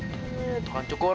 eh tolong cukur